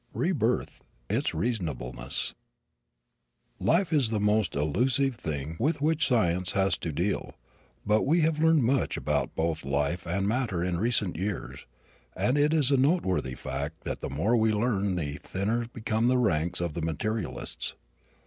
REBIRTH: ITS REASONABLENESS Life is the most elusive thing with which science has to deal but we have learned much about both life and matter in recent years, and it is a noteworthy fact that the more we learn the thinner become the ranks of the materialists.